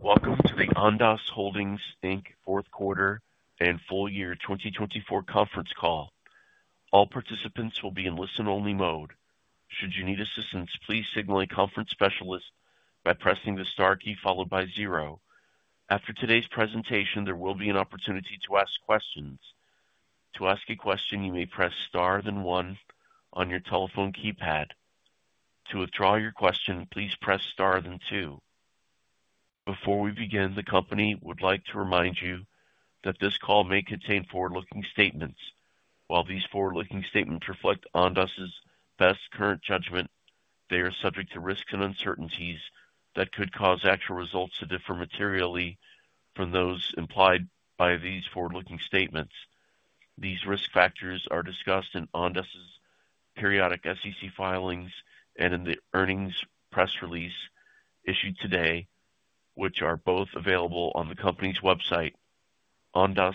Welcome to the Ondas Holdings Fourth Quarter and Full Year 2024 Conference Call. All participants will be in listen-only mode. Should you need assistance, please signal a conference specialist by pressing the star key followed by zero. After today's presentation, there will be an opportunity to ask questions. To ask a question, you may press star then one on your telephone keypad. To withdraw your question, please press star then two. Before we begin, the company would like to remind you that this call may contain forward-looking statements. While these forward-looking statements reflect Ondas's best current judgment, they are subject to risks and uncertainties that could cause actual results to differ materially from those implied by these forward-looking statements. These risk factors are discussed in Ondas's periodic SEC filings and in the earnings press, release issued today, which are both available on the company's website. Ondas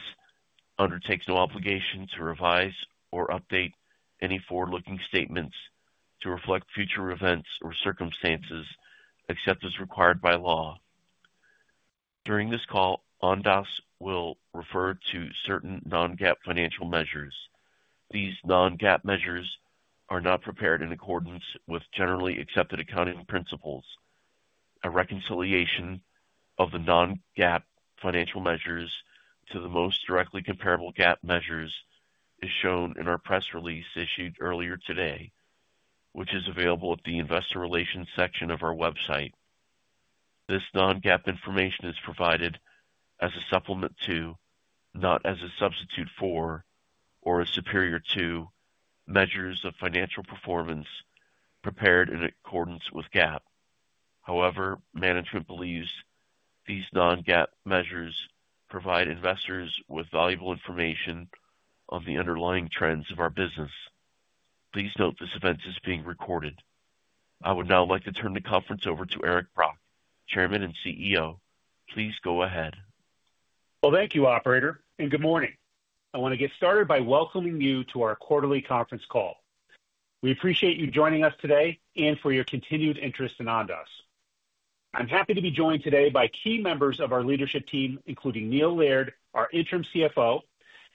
undertakes no obligation to revise or update any forward-looking statements to reflect future events or circumstances except as required by law. During this call, Ondas will refer to certain non-GAAP financial measures. These non-GAAP measures are not prepared in accordance with generally accepted accounting principles. A reconciliation of the non-GAAP financial measures to the most directly comparable GAAP measures is shown in our press release issued earlier today, which is available at the investor relations section of our website. This non-GAAP information is provided as a supplement to, not as a substitute for, or a superior to measures of financial performance prepared in accordance with GAAP. However, management believes these non-GAAP measures provide investors with valuable information on the underlying trends of our business. Please note this event is being recorded. I would now like to turn the conference over to Eric Brock, Chairman and CEO. Please go ahead. Thank you, Operator, and good morning. I want to get started by welcoming you to our quarterly conference call. We appreciate you joining us today and for your continued interest in Ondas. I'm happy to be joined today by key members of our leadership team, including Neil Laird, our Interim CFO,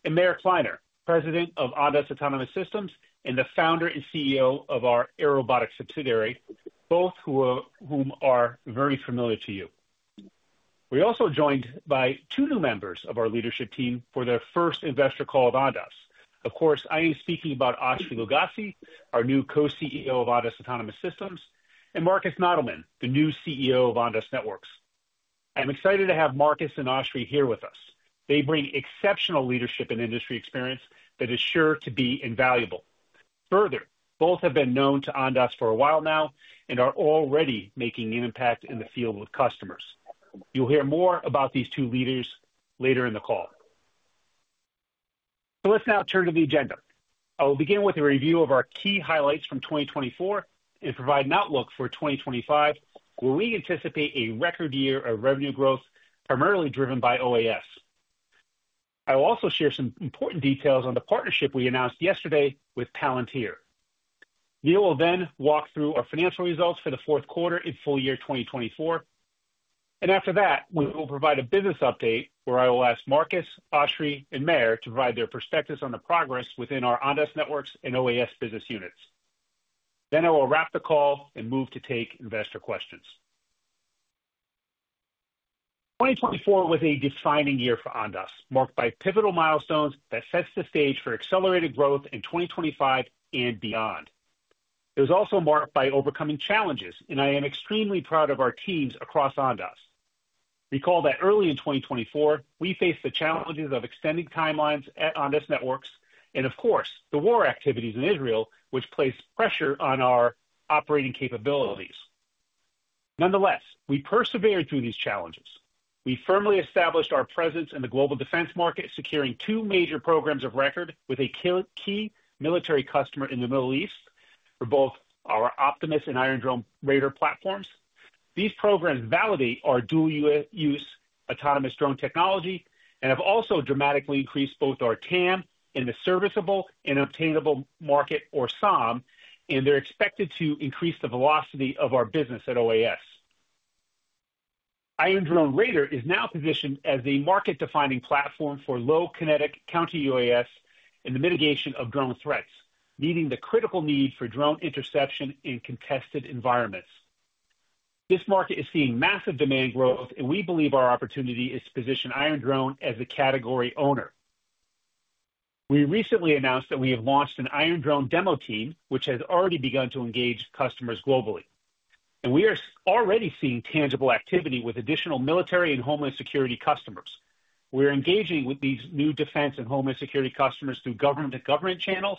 and Meir Kliner, President of Ondas Autonomous Systems and the founder and CEO of our Airobotics subsidiary, both of whom are very familiar to you. We're also joined by two new members of our leadership team for their first investor call at Ondas. Of course, I am speaking about Oshri Lugassy, our new Co-CEO of Ondas Autonomous Systems, and Markus Nottelmann, the new CEO of Ondas Networks. I'm excited to have Marcus and Oshri here with us. They bring exceptional leadership and industry experience that is sure to be invaluable. Further, both have been known to Ondas for a while now and are already making an impact in the field with customers. You'll hear more about these two leaders later in the call. Let's now turn to the agenda. I will begin with a review of our key highlights from 2024 and provide an outlook for 2025, where we anticipate a record year of revenue growth, primarily driven by OAS. I will also share some important details on the partnership we announced yesterday with Palantir. Neil will then walk through our financial results for the fourth quarter and full year 2024. After that, we will provide a business update where I will ask Marcus, Oshri, and Meir to provide their perspectives on the progress within our Ondas Networks and OAS business units. I will wrap the call and move to take investor questions. 2024 was a defining year for Ondas, marked by pivotal milestones that set the stage for accelerated growth in 2025 and beyond. It was also marked by overcoming challenges, and I am extremely proud of our teams across Ondas. Recall that early in 2024, we faced the challenges of extended timelines at Ondas Networks and, of course, the war activities in Israel, which placed pressure on our operating capabilities. Nonetheless, we persevered through these challenges. We firmly established our presence in the global defense market, securing two major programs of record with a key military customer in the Middle East for both our Optimus and Iron Drone Raider platforms. These programs validate our dual-use autonomous drone technology and have also dramatically increased both our TAM in the serviceable and obtainable market, or SOM, and they're expected to increase the velocity of our business at OAS. Iron Drone Raider is now positioned as the market-defining platform for low kinetic counter-UAS and the mitigation of drone threats, meeting the critical need for drone interception in contested environments. This market is seeing massive demand growth, and we believe our opportunity is to position Iron Drone as a category owner. We recently announced that we have launched an Iron Drone demo team, which has already begun to engage customers globally. We are already seeing tangible activity with additional military and homeland security customers. We're engaging with these new defense and homeland security customers through government-to-government channels,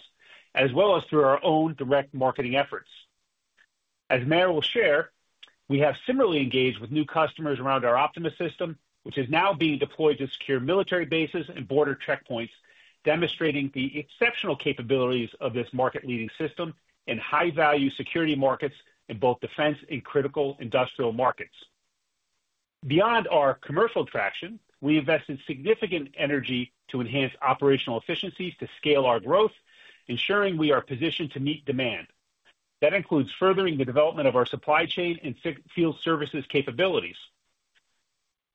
as well as through our own direct marketing efforts. As Meir will share, we have similarly engaged with new customers around our Optimus system, which is now being deployed to secure military bases and border checkpoints, demonstrating the exceptional capabilities of this market-leading system in high-value security markets in both defense and critical industrial markets. Beyond our commercial traction, we invested significant energy to enhance operational efficiencies to scale our growth, ensuring we are positioned to meet demand. That includes furthering the development of our supply chain and field services capabilities.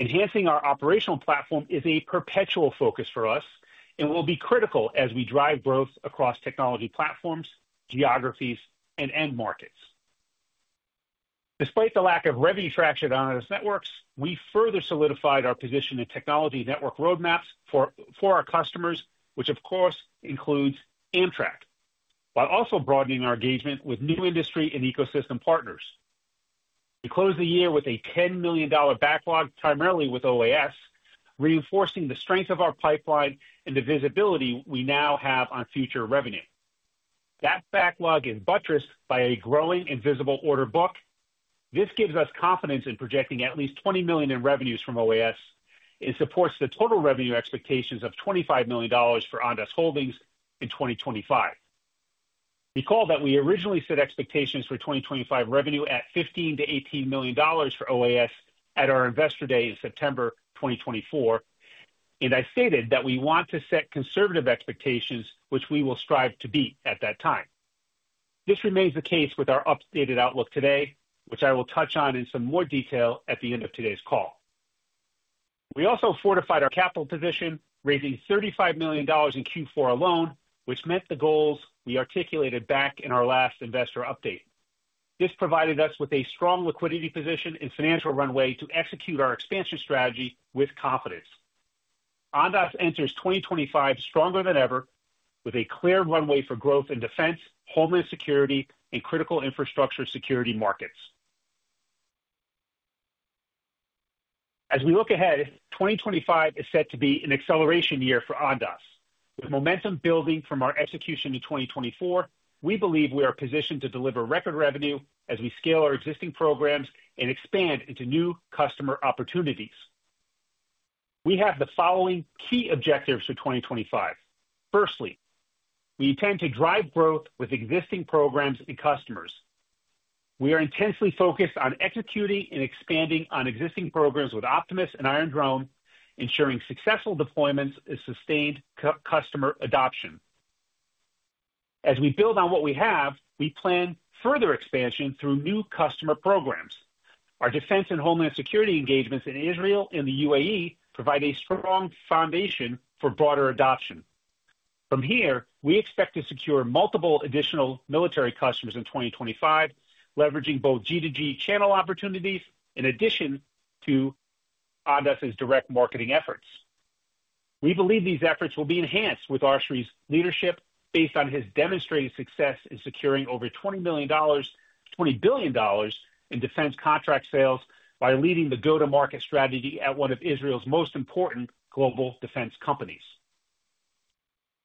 Enhancing our operational platform is a perpetual focus for us and will be critical as we drive growth across technology platforms, geographies, and end markets. Despite the lack of revenue traction on Ondas Networks, we further solidified our position in technology network roadmaps for our customers, which of course includes Amtrak, while also broadening our engagement with new industry and ecosystem partners. We closed the year with a $10 million backlog, primarily with OAS, reinforcing the strength of our pipeline and the visibility we now have on future revenue. That backlog is buttressed by a growing and visible order book. This gives us confidence in projecting at least $20 million in revenues from OAS and supports the total revenue expectations of $25 million for Ondas Holdings in 2025. Recall that we originally set expectations for 2025 revenue at $15-$18 million for OAS at our investor day in September 2024, and I stated that we want to set conservative expectations, which we will strive to beat at that time. This remains the case with our updated outlook today, which I will touch on in some more detail at the end of today's call. We also fortified our capital position, raising $35 million in Q4 alone, which met the goals we articulated back in our last investor update. This provided us with a strong liquidity position and financial runway to execute our expansion strategy with confidence. Ondas enters 2025 stronger than ever, with a clear runway for growth in defense, homeland security, and critical infrastructure security markets. As we look ahead, 2025 is set to be an acceleration year for Ondas. With momentum building from our execution in 2024, we believe we are positioned to deliver record revenue as we scale our existing programs and expand into new customer opportunities. We have the following key objectives for 2025. Firstly, we intend to drive growth with existing programs and customers. We are intensely focused on executing and expanding on existing programs with Optimus and Iron Drone, ensuring successful deployments and sustained customer adoption. As we build on what we have, we plan further expansion through new customer programs. Our defense and homeland security engagements in Israel and the UAE provide a strong foundation for broader adoption. From here, we expect to secure multiple additional military customers in 2025, leveraging both G2G channel opportunities in addition to Ondas's direct marketing efforts. We believe these efforts will be enhanced with Oshri's leadership based on his demonstrated success in securing over $20 billion in defense contract sales by leading the go-to-market strategy at one of Israel's most important global defense companies.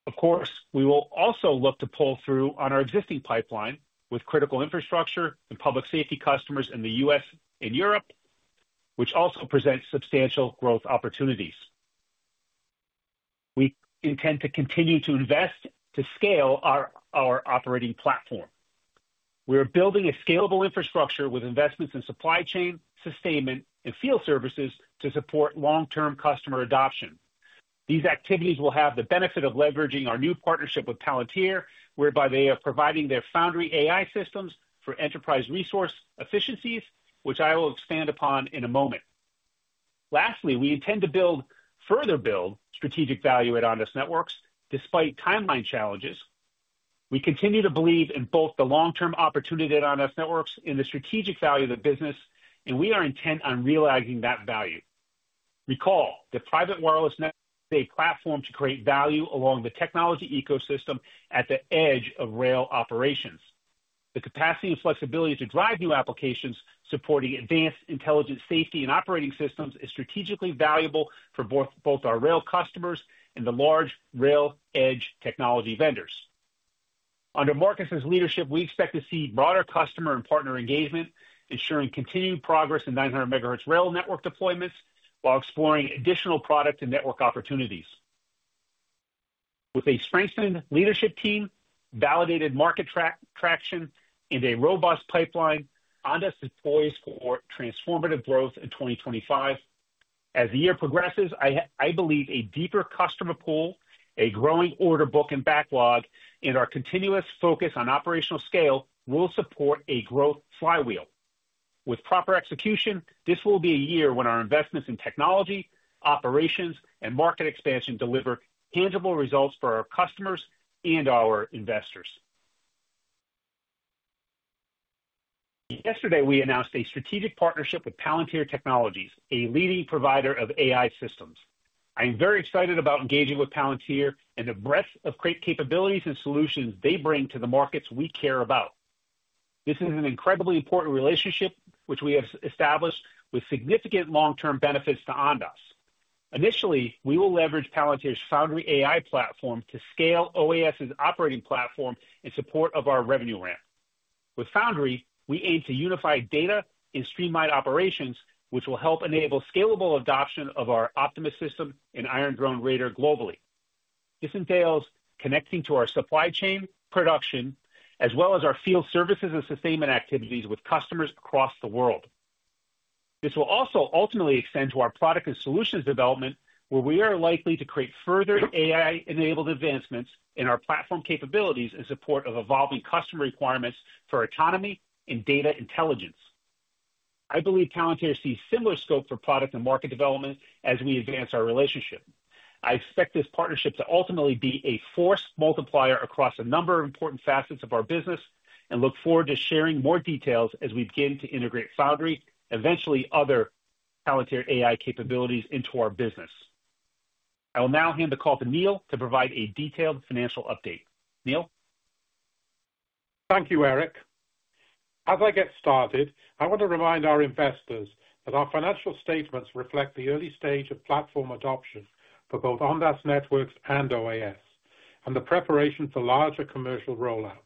Of course, we will also look to pull through on our existing pipeline with critical infrastructure and public safety customers in the U.S. and Europe, which also presents substantial growth opportunities. We intend to continue to invest to scale our operating platform. We are building a scalable infrastructure with investments in supply chain, sustainment, and field services to support long-term customer adoption. These activities will have the benefit of leveraging our new partnership with Palantir, whereby they are providing their Foundry AI systems for enterprise resource efficiencies, which I will expand upon in a moment. Lastly, we intend to further build strategic value at Ondas Networks despite timeline challenges. We continue to believe in both the long-term opportunity at Ondas Networks and the strategic value of the business, and we are intent on realizing that value. Recall that private wireless networks are a platform to create value along the technology ecosystem at the edge of rail operations. The capacity and flexibility to drive new applications supporting advanced intelligent safety and operating systems is strategically valuable for both our rail customers and the large rail edge technology vendors. Under Marcus's leadership, we expect to see broader customer and partner engagement, ensuring continued progress in 900 MHz rail network deployments while exploring additional product and network opportunities. With a strengthened leadership team, validated market traction, and a robust pipeline, Ondas is poised for transformative growth in 2025. As the year progresses, I believe a deeper customer pool, a growing order book, and backlog in our continuous focus on operational scale will support a growth flywheel. With proper execution, this will be a year when our investments in technology, operations, and market expansion deliver tangible results for our customers and our investors. Yesterday, we announced a strategic partnership with Palantir Technologies, a leading provider of AI systems. I am very excited about engaging with Palantir and the breadth of capabilities and solutions they bring to the markets we care about. This is an incredibly important relationship, which we have established with significant long-term benefits to Ondas. Initially, we will leverage Palantir's Foundry AI platform to scale OAS's operating platform in support of our revenue ramp. With Foundry, we aim to unify data and streamline operations, which will help enable scalable adoption of our Optimus system and Iron Drone Raider globally. This entails connecting to our supply chain production, as well as our field services and sustainment activities with customers across the world. This will also ultimately extend to our product and solutions development, where we are likely to create further AI-enabled advancements in our platform capabilities in support of evolving customer requirements for autonomy and data intelligence. I believe Palantir sees similar scope for product and market development as we advance our relationship. I expect this partnership to ultimately be a force multiplier across a number of important facets of our business and look forward to sharing more details as we begin to integrate Foundry, eventually other Palantir AI capabilities into our business. I will now hand the call to Neil to provide a detailed financial update. Neil. Thank you, Eric. As I get started, I want to remind our investors that our financial statements reflect the early stage of platform adoption for both Ondas Networks and OAS and the preparation for larger commercial rollouts.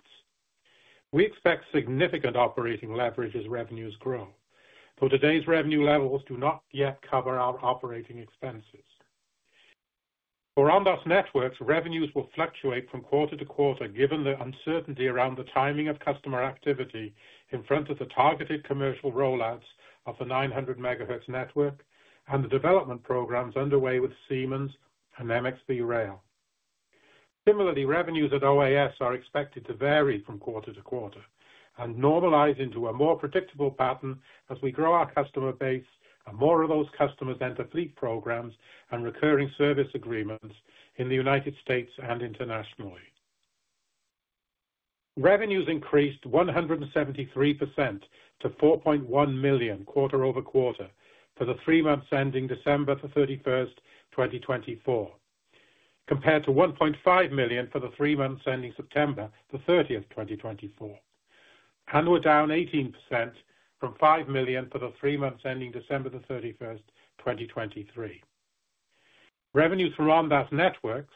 We expect significant operating leverage as revenues grow, though today's revenue levels do not yet cover our operating expenses. For Ondas Networks, revenues will fluctuate from quarter to quarter given the uncertainty around the timing of customer activity in front of the targeted commercial rollouts of the 900 MHz network and the development programs underway with Siemens and MxV Rail. Similarly, revenues at OAS are expected to vary from quarter to quarter and normalize into a more predictable pattern as we grow our customer base and more of those customers enter fleet programs and recurring service agreements in the United States and internationally. Revenues increased 173% to $4.1 million quarter over quarter for the three months ending December 31, 2024, compared to $1.5 million for the three months ending September 30, 2024, and were down 18% from $5 million for the three months ending December 31, 2023. Revenues from Ondas Networks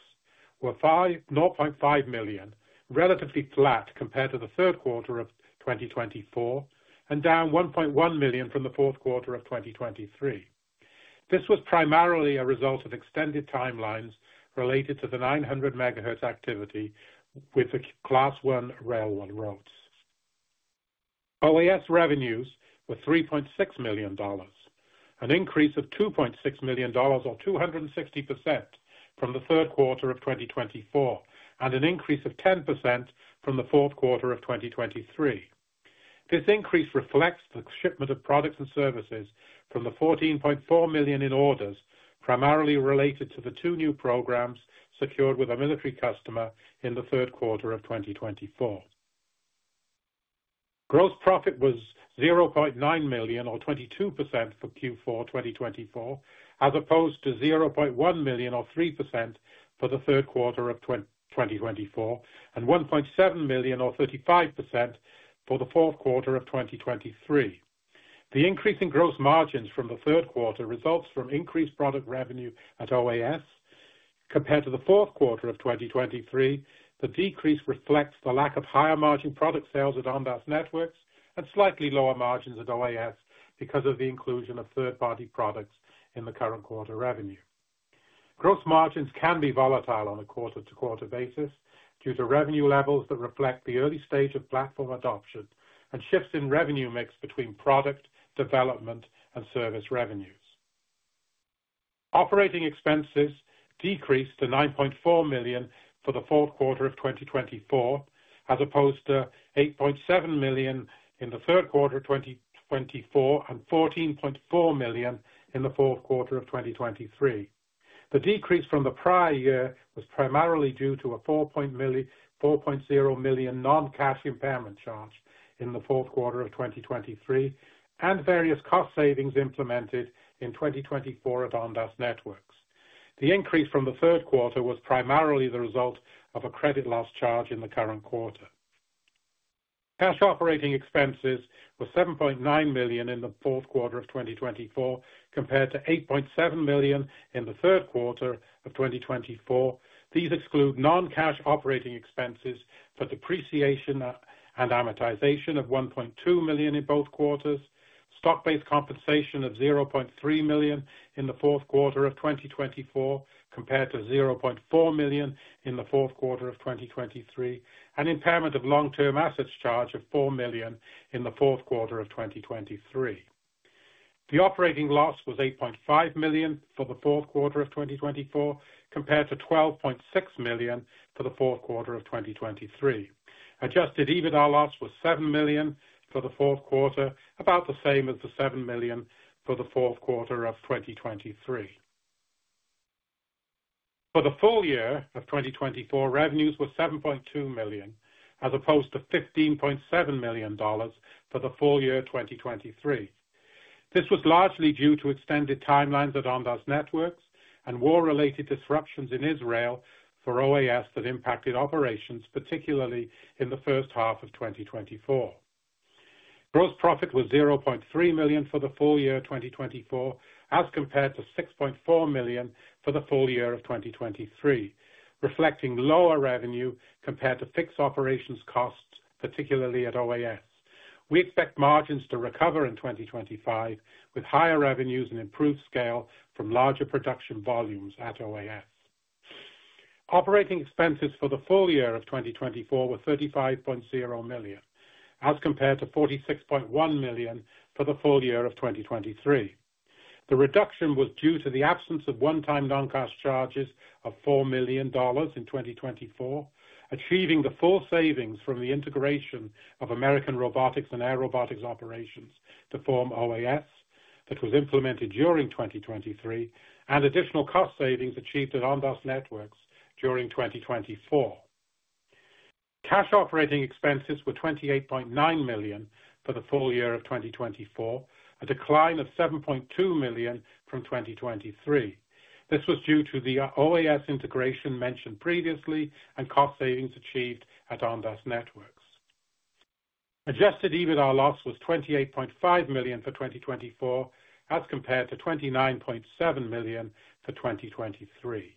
were $0.5 million, relatively flat compared to the third quarter of 2024, and down $1.1 million from the fourth quarter of 2023. This was primarily a result of extended timelines related to the 900 MHz activity with the Class I rail routes. OAS revenues were $3.6 million, an increase of $2.6 million, or 260% from the third quarter of 2024, and an increase of 10% from the fourth quarter of 2023. This increase reflects the shipment of products and services from the $14.4 million in orders, primarily related to the two new programs secured with a military customer in the third quarter of 2024. Gross profit was $0.9 million, or 22% for Q4 2024, as opposed to $0.1 million, or 3% for the third quarter of 2024, and $1.7 million, or 35% for the fourth quarter of 2023. The increase in gross margins from the third quarter results from increased product revenue at OAS compared to the fourth quarter of 2023. The decrease reflects the lack of higher margin product sales at Ondas Networks and slightly lower margins at OAS because of the inclusion of third-party products in the current quarter revenue. Gross margins can be volatile on a quarter-to-quarter basis due to revenue levels that reflect the early stage of platform adoption and shifts in revenue mix between product development and service revenues. Operating expenses decreased to $9.4 million for the fourth quarter of 2024, as opposed to $8.7 million in the third quarter of 2024 and $14.4 million in the fourth quarter of 2023. The decrease from the prior year was primarily due to a $4.0 million non-cash impairment charge in the fourth quarter of 2023 and various cost savings implemented in 2024 at Ondas Networks. The increase from the third quarter was primarily the result of a credit loss charge in the current quarter. Cash operating expenses were $7.9 million in the fourth quarter of 2024 compared to $8.7 million in the third quarter of 2024. These exclude non-cash operating expenses for depreciation and amortization of $1.2 million in both quarters, stock-based compensation of $0.3 million in the fourth quarter of 2024 compared to $0.4 million in the fourth quarter of 2023, and impairment of long-term assets charge of $4 million in the fourth quarter of 2023. The operating loss was $8.5 million for the fourth quarter of 2024 compared to $12.6 million for the fourth quarter of 2023. Adjusted EBITDA loss was $7 million for the fourth quarter, about the same as the $7 million for the fourth quarter of 2023. For the full year of 2024, revenues were $7.2 million, as opposed to $15.7 million for the full year of 2023. This was largely due to extended timelines at Ondas Networks and war-related disruptions in Israel for OAS that impacted operations, particularly in the first half of 2024. Gross profit was $0.3 million for the full year of 2024, as compared to $6.4 million for the full year of 2023, reflecting lower revenue compared to fixed operations costs, particularly at OAS. We expect margins to recover in 2025 with higher revenues and improved scale from larger production volumes at OAS. Operating expenses for the full year of 2024 were $35.0 million, as compared to $46.1 million for the full year of 2023. The reduction was due to the absence of one-time non-cash charges of $4 million in 2024, achieving the full savings from the integration of American Robotics and Airobotics operations to form OAS that was implemented during 2023, and additional cost savings achieved at Ondas Networks during 2024. Cash operating expenses were $28.9 million for the full year of 2024, a decline of $7.2 million from 2023. This was due to the OAS integration mentioned previously and cost savings achieved at Ondas Networks. Adjusted EBITDA loss was $28.5 million for 2024, as compared to $29.7 million for 2023.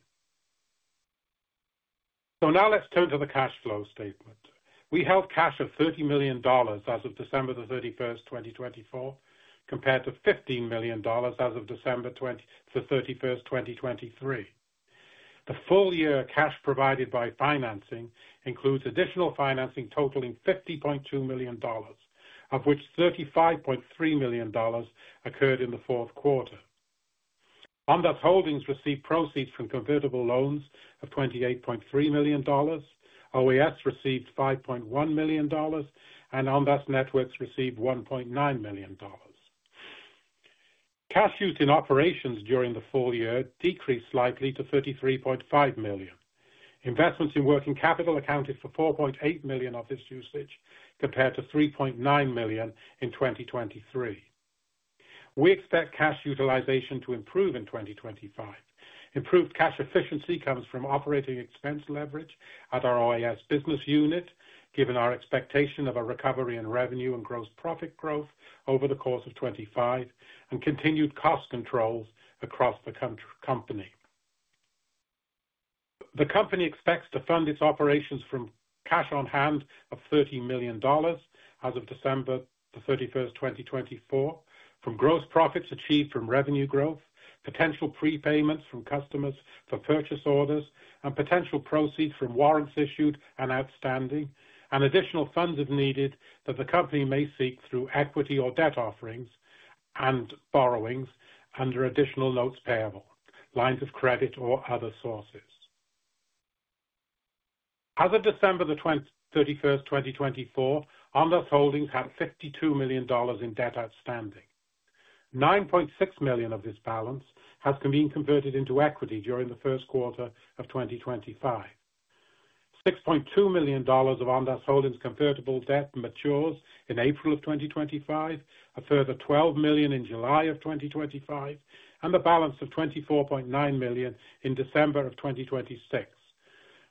Now let's turn to the cash flow statement. We held cash of $30 million as of December 31, 2024, compared to $15 million as of December 31, 2023. The full year cash provided by financing includes additional financing totaling $50.2 million, of which $35.3 million occurred in the fourth quarter. Ondas Holdings received proceeds from convertible loans of $28.3 million. OAS received $5.1 million, and Ondas Networks received $1.9 million. Cash used in operations during the full year decreased slightly to $33.5 million. Investments in working capital accounted for $4.8 million of this usage compared to $3.9 million in 2023. We expect cash utilization to improve in 2025. Improved cash efficiency comes from operating expense leverage at our OAS business unit, given our expectation of a recovery in revenue and gross profit growth over the course of 2025, and continued cost controls across the company. The company expects to fund its operations from cash on hand of $30 million as of December 31, 2024, from gross profits achieved from revenue growth, potential prepayments from customers for purchase orders, and potential proceeds from warrants issued and outstanding, and additional funds if needed that the company may seek through equity or debt offerings and borrowings under additional notes payable, lines of credit, or other sources. As of December 31, 2024, Ondas Holdings had $52 million in debt outstanding. $9.6 million of this balance has been converted into equity during the first quarter of 2025. $6.2 million of Ondas Holdings' convertible debt matures in April of 2025, a further $12 million in July of 2025, and the balance of $24.9 million in December of 2026.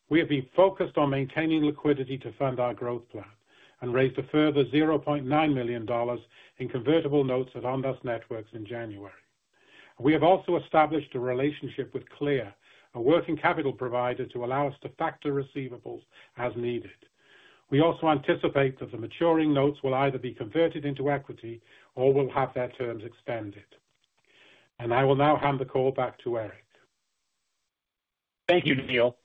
We have been focused on maintaining liquidity to fund our growth plan and raised a further $0.9 million in convertible notes at Ondas Networks in January. We have also established a relationship with Clear, a working capital provider, to allow us to factor receivables as needed. We also anticipate that the maturing notes will either be converted into equity or will have their terms extended. I will now hand the call back to Eric. Thank you, Neil.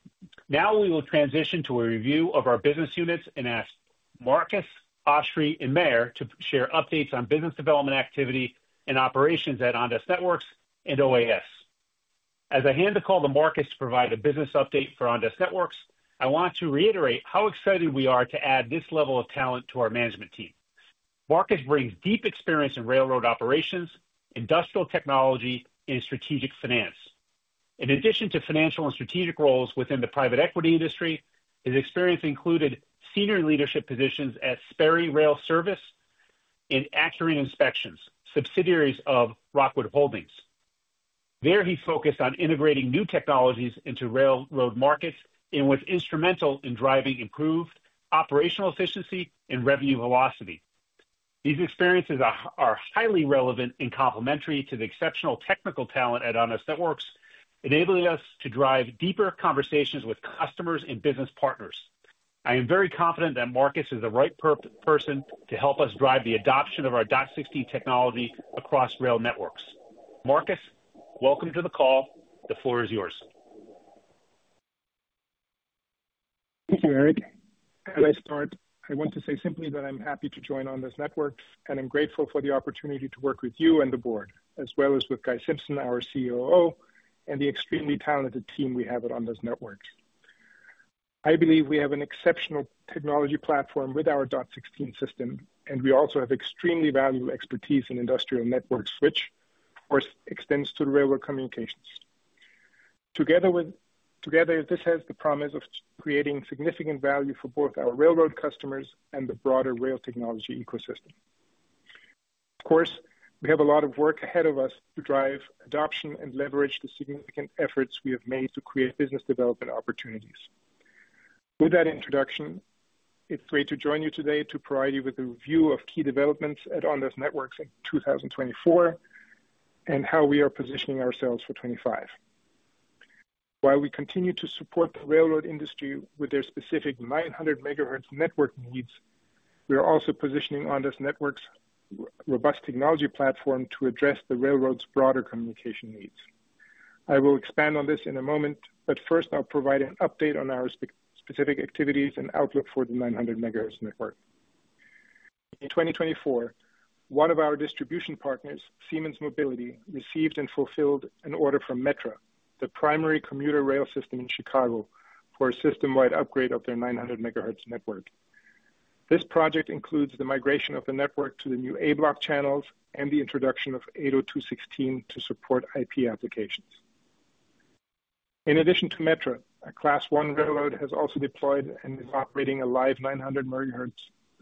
Now we will transition to a review of our business units and ask Marcus, Oshri, and Meir to share updates on business development activity and operations at Ondas Networks and OAS. As I hand the call to Marcus to provide a business update for Ondas Networks, I want to reiterate how excited we are to add this level of talent to our management team. Marcus brings deep experience in railroad operations, industrial technology, and strategic finance. In addition to financial and strategic roles within the private equity industry, his experience included senior leadership positions at Sperry Rail Service and Acuren Inspections, subsidiaries of Rockwood Holdings. There, he focused on integrating new technologies into railroad markets and was instrumental in driving improved operational efficiency and revenue velocity. These experiences are highly relevant and complementary to the exceptional technical talent at Ondas Networks, enabling us to drive deeper conversations with customers and business partners. I am very confident that Marcus is the right person to help us drive the adoption of our DOC16 technology across rail networks. Marcus, welcome to the call. The floor is yours. Thank you, Eric. As I start, I want to say simply that I'm happy to join Ondas Networks and am grateful for the opportunity to work with you and the board, as well as with Guy Simpson, our COO, and the extremely talented team we have at Ondas Networks. I believe we have an exceptional technology platform with our DOC16 system, and we also have extremely valuable expertise in industrial network switch, which extends to the railroad communications. Together, this has the promise of creating significant value for both our railroad customers and the broader rail technology ecosystem. Of course, we have a lot of work ahead of us to drive adoption and leverage the significant efforts we have made to create business development opportunities. With that introduction, it's great to join you today to provide you with a review of key developments at Ondas Networks in 2024 and how we are positioning ourselves for 2025. While we continue to support the railroad industry with their specific 900 MHz network needs, we are also positioning Ondas Networks' robust technology platform to address the railroad's broader communication needs. I will expand on this in a moment, but first, I'll provide an update on our specific activities and outlook for the 900 MHz network. In 2024, one of our distribution partners, Siemens Mobility, received and fulfilled an order from Metra, the primary commuter rail system in Chicago, for a system-wide upgrade of their 900 MHz network. This project includes the migration of the network to the new A Block channels and the introduction of 802.16 to support IP applications. In addition to Metra, a Class I railroad has also deployed and is operating a live 900 MHz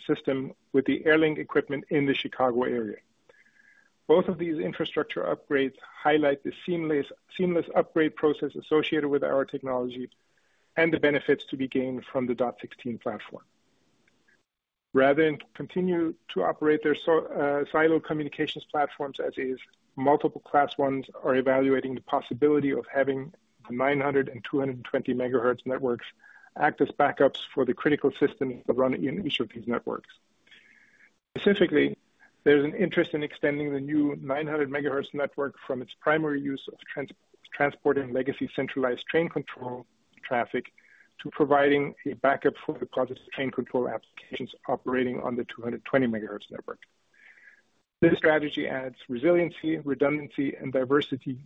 system with the Airlink equipment in the Chicago area. Both of these infrastructure upgrades highlight the seamless upgrade process associated with our technology and the benefits to be gained from the DOC16 platform. Rather than continue to operate their silo communications platforms as is, multiple Class Is are evaluating the possibility of having the 900 and 220 MHz networks act as backups for the critical systems that run in each of these networks. Specifically, there's an interest in extending the new 900 MHz network from its primary use of transport and legacy centralized train control traffic to providing a backup for the closest train control applications operating on the 220 MHz network. This strategy adds resiliency, redundancy, and diversity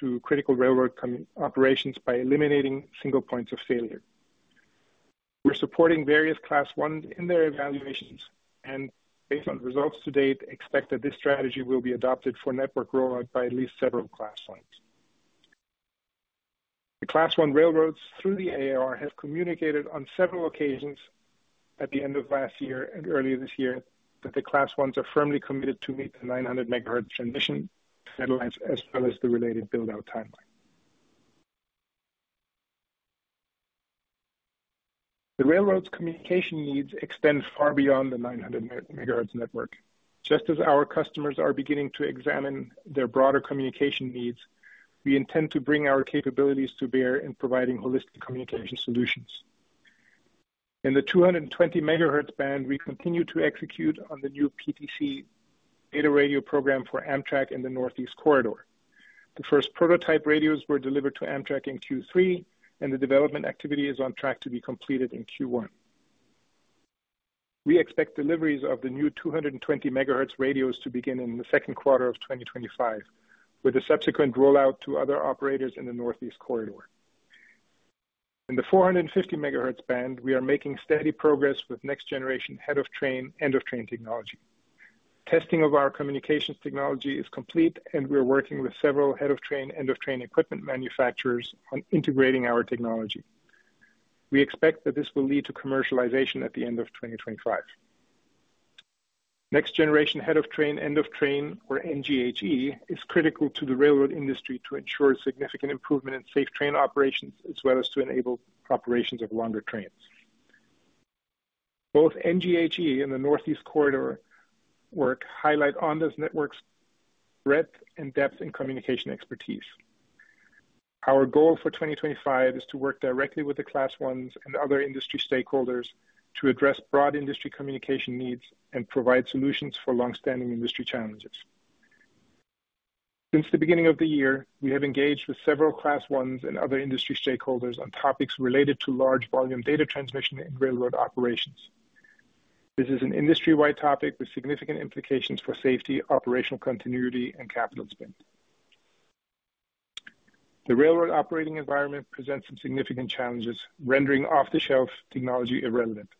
to critical railroad operations by eliminating single points of failure. We're supporting various Class Is in their evaluations and, based on results to date, expect that this strategy will be adopted for network rollout by at least several Class Is. The Class I railroads through the AAR have communicated on several occasions at the end of last year and earlier this year that the Class Is are firmly committed to meet the 900 MHz transition deadlines as well as the related build-out timeline. The railroads' communication needs extend far beyond the 900 MHz network. Just as our customers are beginning to examine their broader communication needs, we intend to bring our capabilities to bear in providing holistic communication solutions. In the 220 MHz band, we continue to execute on the new PTC Data Radio program for Amtrak in the Northeast Corridor. The first prototype radios were delivered to Amtrak in Q3, and the development activity is on track to be completed in Q1. We expect deliveries of the new 220 MHz radios to begin in the second quarter of 2025, with the subsequent rollout to other operators in the Northeast Corridor. In the 450 MHz band, we are making steady progress with next-generation head-of-train, end-of-train technology. Testing of our communications technology is complete, and we're working with several head-of-train, end-of-train equipment manufacturers on integrating our technology. We expect that this will lead to commercialization at the end of 2025. Next-generation head-of-train, end-of-train, or NGHE, is critical to the railroad industry to ensure significant improvement in safe train operations, as well as to enable operations of longer trains. Both NGHE and the Northeast Corridor work highlight Ondas Networks' breadth and depth in communication expertise. Our goal for 2025 is to work directly with the Class Is and other industry stakeholders to address broad industry communication needs and provide solutions for long-standing industry challenges. Since the beginning of the year, we have engaged with several Class Is and other industry stakeholders on topics related to large volume data transmission in railroad operations. This is an industry-wide topic with significant implications for safety, operational continuity, and capital spend. The railroad operating environment presents some significant challenges, rendering off-the-shelf technology irrelevant.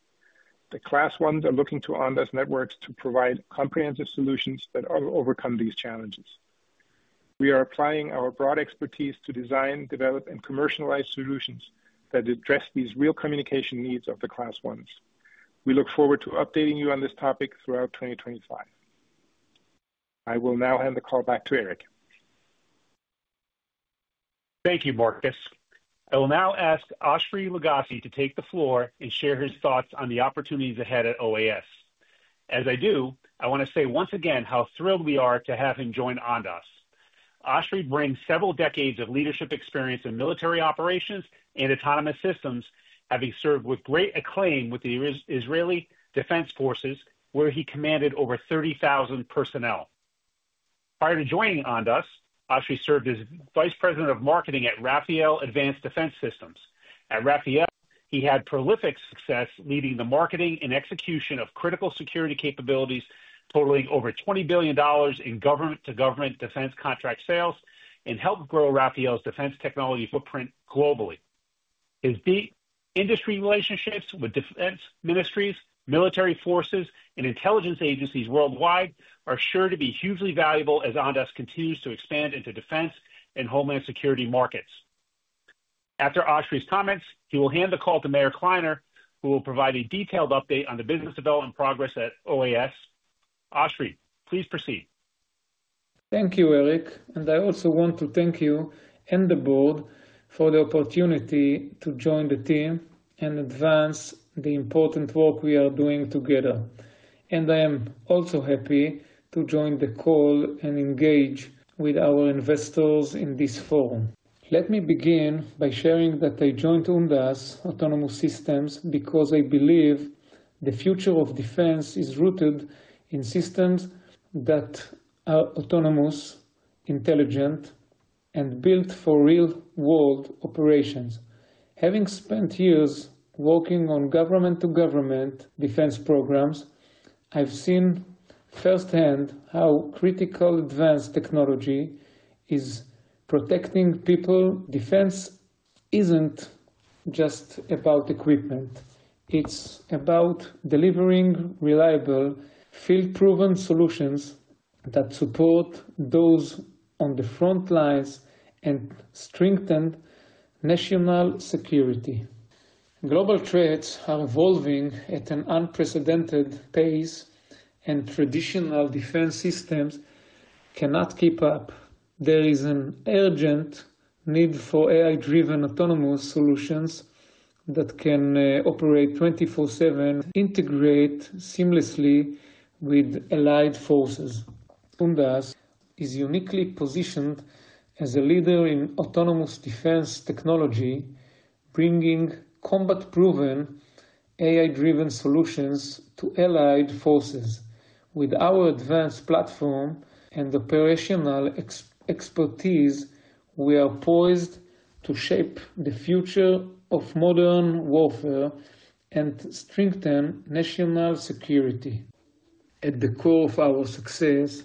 The Class Is are looking to Ondas Networks to provide comprehensive solutions that will overcome these challenges. We are applying our broad expertise to design, develop, and commercialize solutions that address these real communication needs of the Class Is. We look forward to updating you on this topic throughout 2025. I will now hand the call back to Eric. Thank you, Marcus. I will now ask Oshri Lugassy to take the floor and share his thoughts on the opportunities ahead at OAS. As I do, I want to say once again how thrilled we are to have him join Ondas. Oshri brings several decades of leadership experience in military operations and autonomous systems, having served with great acclaim with the Israeli Defense Forces, where he commanded over 30,000 personnel. Prior to joining Ondas, Oshri served as Vice President of Marketing at Rafael Advanced Defense Systems. At Rafael, he had prolific success leading the marketing and execution of critical security capabilities, totaling over $20 billion in government-to-government defense contract sales, and helped grow Rafael's defense technology footprint globally. His deep industry relationships with defense ministries, military forces, and intelligence agencies worldwide are sure to be hugely valuable as Ondas continues to expand into defense and homeland security markets. After Oshri's comments, he will hand the call to Meir Kliner, who will provide a detailed update on the business development progress at OAS. Oshri, please proceed. Thank you, Eric. I also want to thank you and the board for the opportunity to join the team and advance the important work we are doing together. I am also happy to join the call and engage with our investors in this forum. Let me begin by sharing that I joined Ondas Autonomous Systems because I believe the future of defense is rooted in systems that are autonomous, intelligent, and built for real-world operations. Having spent years working on government-to-government defense programs, I've seen firsthand how critical advanced technology is protecting people. Defense isn't just about equipment. It's about delivering reliable, field-proven solutions that support those on the front lines and strengthen national security. Global trades are evolving at an unprecedented pace, and traditional defense systems cannot keep up. There is an urgent need for AI-driven autonomous solutions that can operate 24/7, integrate seamlessly with allied forces. Ondas is uniquely positioned as a leader in autonomous defense technology, bringing combat-proven AI-driven solutions to allied forces. With our advanced platform and operational expertise, we are poised to shape the future of modern warfare and strengthen national security. At the core of our success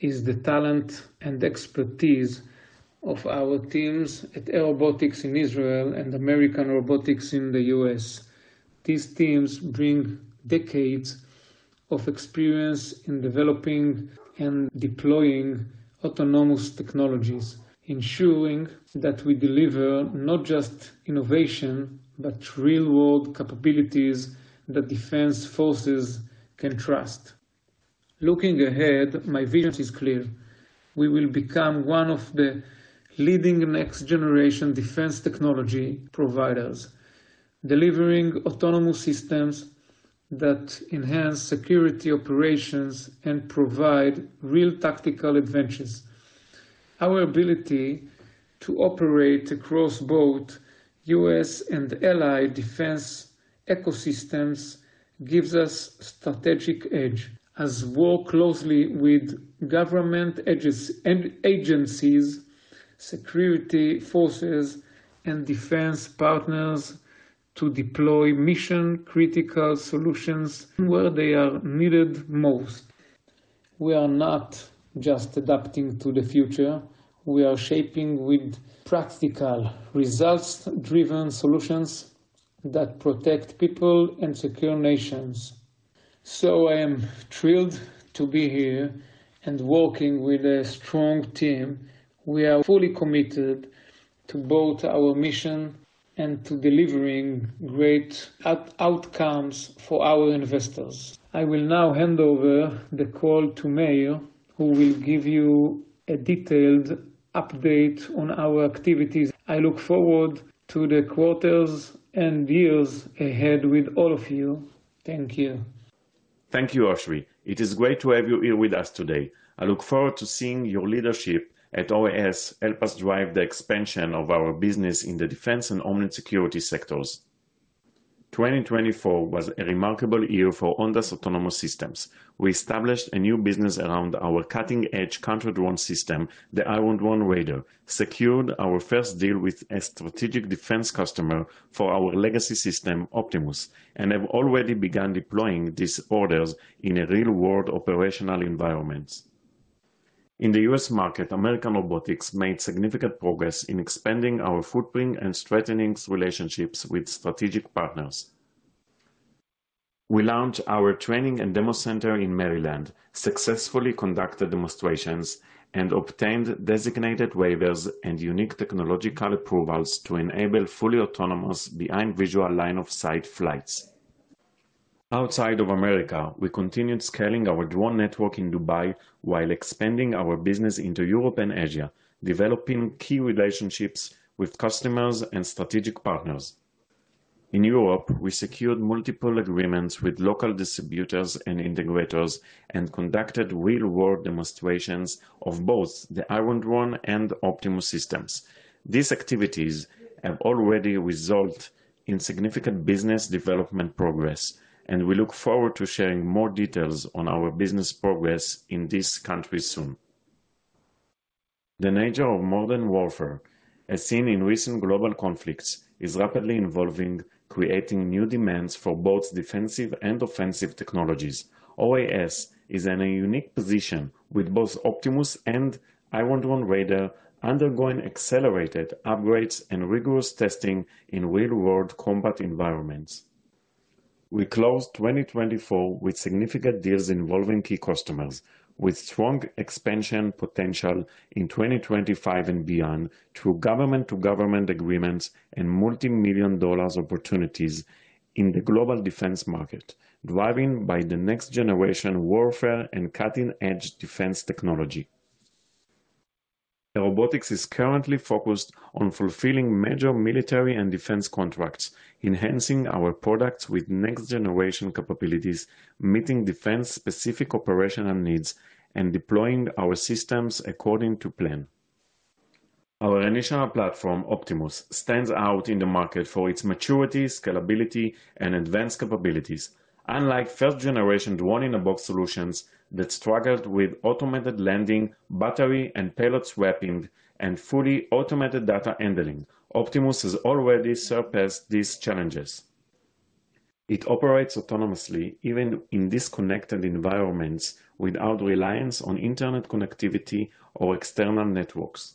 is the talent and expertise of our teams at Airobotics in Israel and American Robotics in the US. These teams bring decades of experience in developing and deploying autonomous technologies, ensuring that we deliver not just innovation, but real-world capabilities that defense forces can trust. Looking ahead, my vision is clear. We will become one of the leading next-generation defense technology providers, delivering autonomous systems that enhance security operations and provide real tactical adventures. Our ability to operate across both US and allied defense ecosystems gives us a strategic edge as we work closely with government agencies, security forces, and defense partners to deploy mission-critical solutions where they are needed most. We are not just adapting to the future. We are shaping with practical results-driven solutions that protect people and secure nations. I am thrilled to be here and working with a strong team. We are fully committed to both our mission and to delivering great outcomes for our investors. I will now hand over the call to Meir, who will give you a detailed update on our activities. I look forward to the quarters and years ahead with all of you. Thank you. Thank you, Oshri. It is great to have you here with us today. I look forward to seeing your leadership at OAS help us drive the expansion of our business in the defense and homeland security sectors. 2024 was a remarkable year for Ondas Autonomous Systems. We established a new business around our cutting-edge counter-drone system, the Iron Drone Raider. Secured our first deal with a strategic defense customer for our legacy system, Optimus, and have already begun deploying these orders in real-world operational environments. In the US market, American Robotics made significant progress in expanding our footprint and strengthening relationships with strategic partners. We launched our training and demo center in Maryland, successfully conducted demonstrations, and obtained designated waivers and unique technological approvals to enable fully autonomous beyond visual line of sight flights. Outside of America, we continued scaling our drone network in Dubai while expanding our business into Europe and Asia, developing key relationships with customers and strategic partners. In Europe, we secured multiple agreements with local distributors and integrators and conducted real-world demonstrations of both the Iron Drone and Optimus systems. These activities have already resulted in significant business development progress, and we look forward to sharing more details on our business progress in these countries soon. The nature of modern warfare, as seen in recent global conflicts, is rapidly evolving, creating new demands for both defensive and offensive technologies. OAS is in a unique position, with both Optimus and Iron Drone Raider undergoing accelerated upgrades and rigorous testing in real-world combat environments. We closed 2024 with significant deals involving key customers, with strong expansion potential in 2025 and beyond through government-to-government agreements and multi-million dollar opportunities in the global defense market, driven by the next-generation warfare and cutting-edge defense technology. Robotics is currently focused on fulfilling major military and defense contracts, enhancing our products with next-generation capabilities, meeting defense-specific operational needs, and deploying our systems according to plan. Our initial platform, Optimus, stands out in the market for its maturity, scalability, and advanced capabilities. Unlike first-generation drone-in-a-box solutions that struggled with automated landing, battery and payload swapping, and fully automated data handling, Optimus has already surpassed these challenges. It operates autonomously, even in disconnected environments, without reliance on internet connectivity or external networks.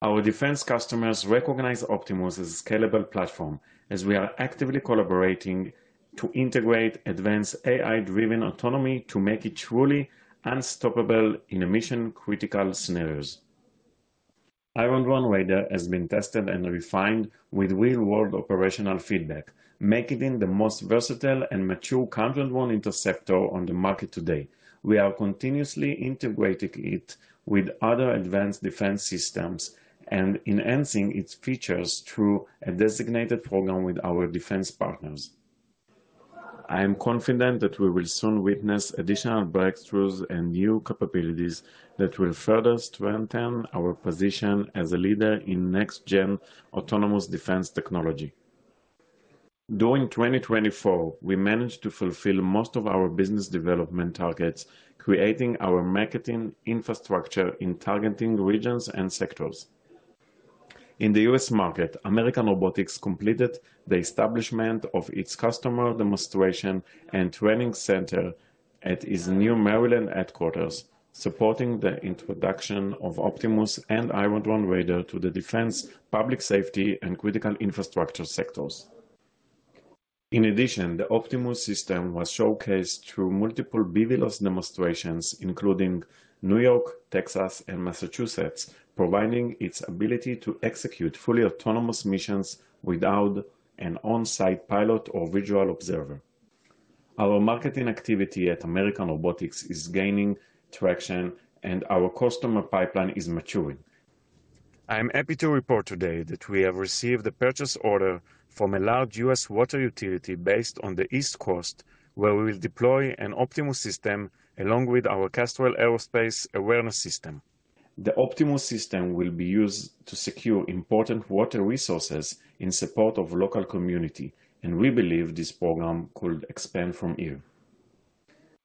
Our defense customers recognize Optimus as a scalable platform, as we are actively collaborating to integrate advanced AI-driven autonomy to make it truly unstoppable in mission-critical scenarios. Iron Drone Raider has been tested and refined with real-world operational feedback, making it the most versatile and mature counter-drone interceptor on the market today. We are continuously integrating it with other advanced defense systems and enhancing its features through a designated program with our defense partners. I am confident that we will soon witness additional breakthroughs and new capabilities that will further strengthen our position as a leader in next-gen autonomous defense technology. During 2024, we managed to fulfill most of our business development targets, creating our marketing infrastructure in targeting regions and sectors. In the US market, American Robotics completed the establishment of its customer demonstration and training center at its new Maryland headquarters, supporting the introduction of Optimus and Iron Drone Raider to the defense, public safety, and critical infrastructure sectors. In addition, the Optimus system was showcased through multiple BVLOS demonstrations, including New York, Texas, and Massachusetts, providing its ability to execute fully autonomous missions without an on-site pilot or visual observer. Our marketing activity at American Robotics is gaining traction, and our customer pipeline is maturing. I am happy to report today that we have received a purchase order from a large U.S. water utility based on the East Coast, where we will deploy an Optimus system along with our Kestrel airspace awareness system. The Optimus system will be used to secure important water resources in support of the local community, and we believe this program could expand from here.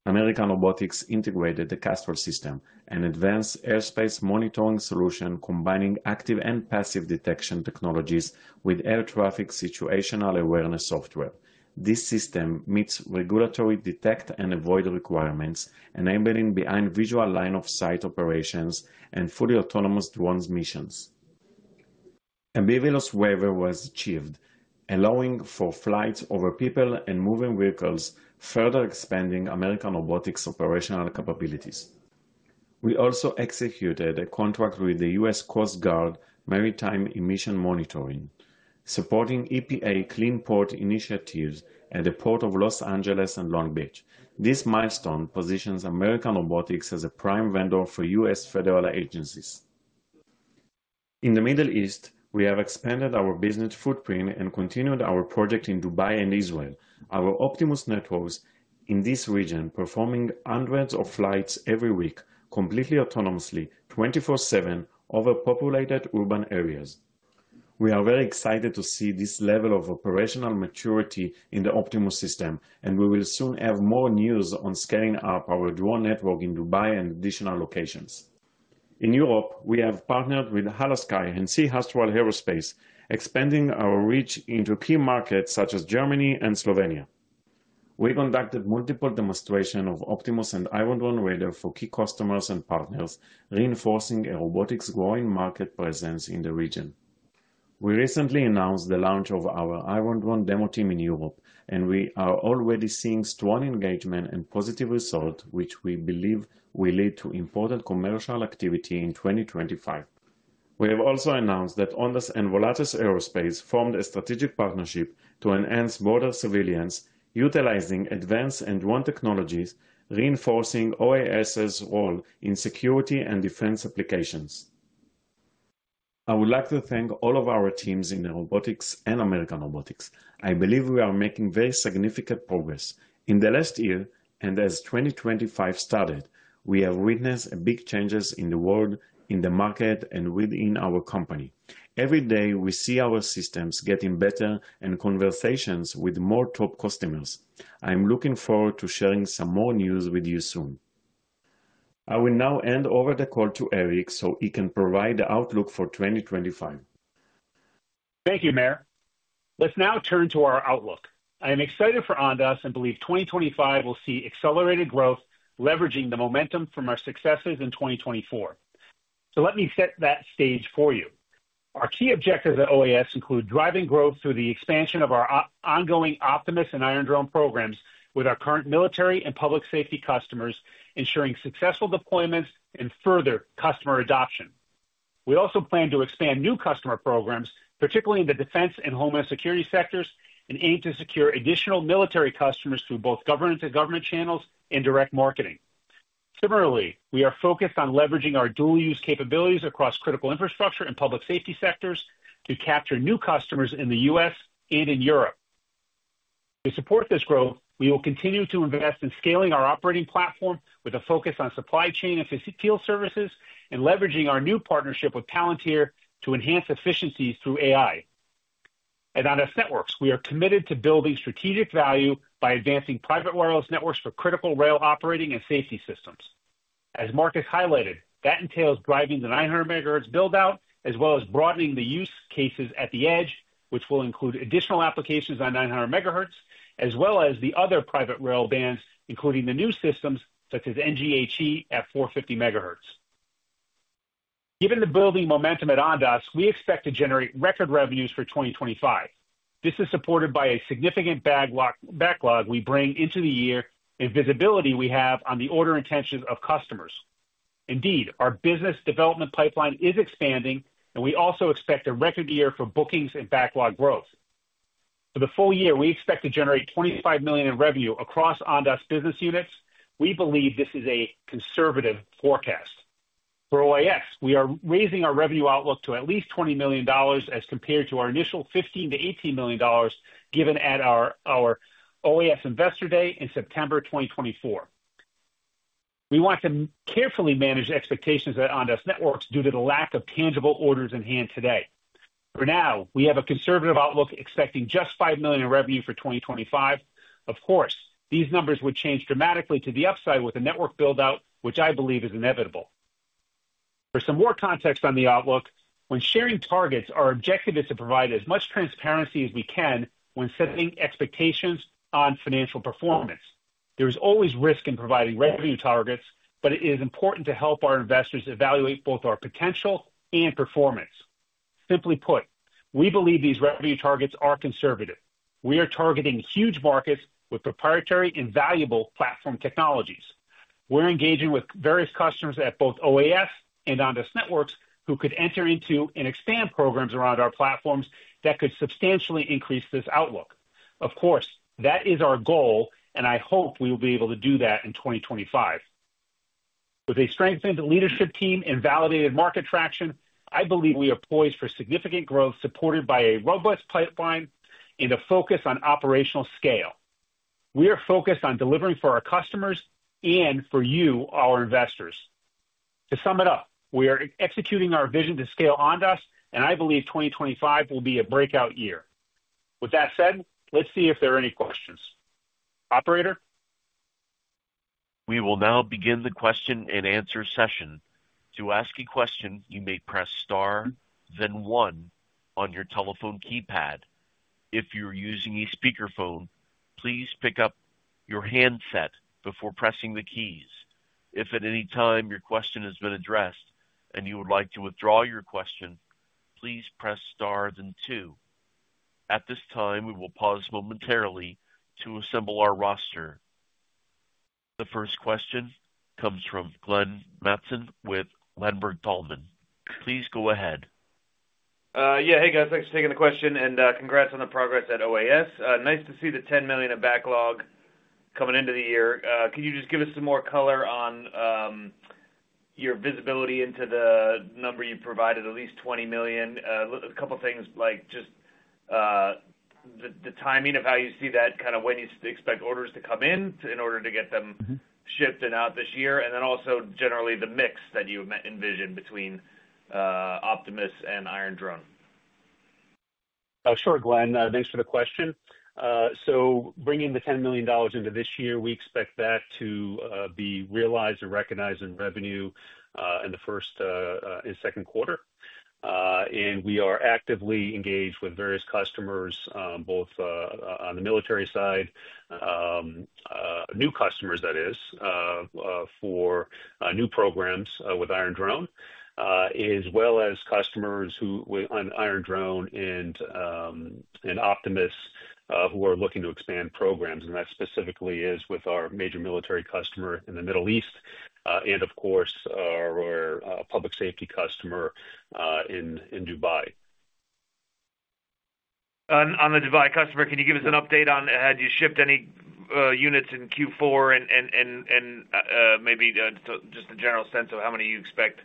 American Robotics integrated the Kestrel system, an advanced airspace monitoring solution combining active and passive detection technologies with air traffic situational awareness software. This system meets regulatory detect and avoid requirements, enabling beyond-visual line-of-sight operations and fully autonomous drone missions. A BVLOS waiver was achieved, allowing for flights over people and moving vehicles, further expanding American Robotics' operational capabilities. We also executed a contract with the US Coast Guard Maritime Emission Monitoring, supporting EPA Clean Port initiatives at the Port of Los Angeles and Long Beach. This milestone positions American Robotics as a prime vendor for US federal agencies. In the Middle East, we have expanded our business footprint and continued our project in Dubai and Israel. Our Optimus networks in this region perform hundreds of flights every week, completely autonomously, 24/7, over populated urban areas. We are very excited to see this level of operational maturity in the Optimus system, and we will soon have more news on scaling up our drone network in Dubai and additional locations. In Europe, we have partnered with HHLA and C-Astral Aerospace, expanding our reach into key markets such as Germany and Slovenia. We conducted multiple demonstrations of Optimus and Iron Drone Raider for key customers and partners, reinforcing a robotics growing market presence in the region. We recently announced the launch of our Iron Drone demo team in Europe, and we are already seeing strong engagement and positive results, which we believe will lead to important commercial activity in 2025. We have also announced that Ondas and Volatus Aerospace formed a strategic partnership to enhance border surveillance, utilizing advanced and drone technologies, reinforcing OAS's role in security and defense applications. I would like to thank all of our teams in Robotics and American Robotics. I believe we are making very significant progress. In the last year and as 2025 started, we have witnessed big changes in the world, in the market, and within our company. Every day, we see our systems getting better and conversations with more top customers. I am looking forward to sharing some more news with you soon. I will now hand over the call to Eric so he can provide the outlook for 2025. Thank you, Meir. Let's now turn to our outlook. I am excited for Ondas and believe 2025 will see accelerated growth, leveraging the momentum from our successes in 2024. Let me set that stage for you. Our key objectives at OAS include driving growth through the expansion of our ongoing Optimus and Iron Drone programs with our current military and public safety customers, ensuring successful deployments and further customer adoption. We also plan to expand new customer programs, particularly in the defense and homeland security sectors, and aim to secure additional military customers through both government-to-government channels and direct marketing. Similarly, we are focused on leveraging our dual-use capabilities across critical infrastructure and public safety sectors to capture new customers in the US and in Europe. To support this growth, we will continue to invest in scaling our operating platform with a focus on supply chain and field services and leveraging our new partnership with Palantir to enhance efficiencies through AI. At Ondas Networks, we are committed to building strategic value by advancing private wireless networks for critical rail operating and safety systems. As Marcus highlighted, that entails driving the 900 MHz build-out, as well as broadening the use cases at the edge, which will include additional applications on 900 MHz, as well as the other private rail bands, including the new systems such as NGHE at 450 MHz. Given the building momentum at Ondas, we expect to generate record revenues for 2025. This is supported by a significant backlog we bring into the year and visibility we have on the order intentions of customers. Indeed, our business development pipeline is expanding, and we also expect a record year for bookings and backlog growth. For the full year, we expect to generate $25 million in revenue across Ondas business units. We believe this is a conservative forecast. For OAS, we are raising our revenue outlook to at least $20 million as compared to our initial $15-$18 million given at our OAS Investor Day in September 2024. We want to carefully manage expectations at Ondas Networks due to the lack of tangible orders in hand today. For now, we have a conservative outlook expecting just $5 million in revenue for 2025. Of course, these numbers would change dramatically to the upside with a network build-out, which I believe is inevitable. For some more context on the outlook, when sharing targets, our objective is to provide as much transparency as we can when setting expectations on financial performance. There is always risk in providing revenue targets, but it is important to help our investors evaluate both our potential and performance. Simply put, we believe these revenue targets are conservative. We are targeting huge markets with proprietary and valuable platform technologies. We're engaging with various customers at both OAS and Ondas Networks who could enter into and expand programs around our platforms that could substantially increase this outlook. Of course, that is our goal, and I hope we will be able to do that in 2025. With a strengthened leadership team and validated market traction, I believe we are poised for significant growth supported by a robust pipeline and a focus on operational scale. We are focused on delivering for our customers and for you, our investors. To sum it up, we are executing our vision to scale Ondas, and I believe 2025 will be a breakout year. With that said, let's see if there are any questions. Operator, We will now begin the question-and-answer session. To ask a question, you may press star, then one on your telephone keypad. If you're using a speakerphone, please pick up your handset before pressing the keys. If at any time your question has been addressed and you would like to withdraw your question, please press star, then two. At this time, we will pause momentarily to assemble our roster. The first question comes from Glenn Mattson with Ladenburg Thalmann. Please go ahead. Yeah, hey guys, thanks for taking the question and congrats on the progress at OAS. Nice to see the $10 million of backlog coming into the year. Could you just give us some more color on your visibility into the number you provided, at least $20 million? A couple of things, like just the timing of how you see that, kind of when you expect orders to come in in order to get them shipped and out this year, and then also generally the mix that you envision between Optimus and Iron Drone. Sure, Glenn, thanks for the question. Bringing the $10 million into this year, we expect that to be realized or recognized in revenue in the first and second quarter. We are actively engaged with various customers, both on the military side, new customers, that is, for new programs with Iron Drone, as well as customers on Iron Drone and Optimus who are looking to expand programs. That specifically is with our major military customer in the Middle East and, of course, our public safety customer in Dubai. On the Dubai customer, can you give us an update on had you shipped any units in Q4 and maybe just a general sense of how many you expect